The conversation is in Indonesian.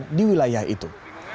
yang diperlukan oleh tni au